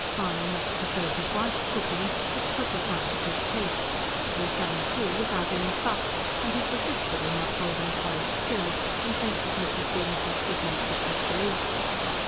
Mahony much preferred his wife's cooking, which took account of his tastes it was done, too, without any fuss and he persisted in upholding Polly's skill, in face of Mrs. Beamish's good natured disbelief.